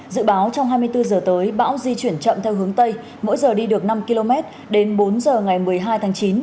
dự báo trong hai mươi bốn giờ tới bão di chuyển chậm theo hướng tây mỗi giờ đi được năm km đến bốn giờ ngày một mươi hai tháng chín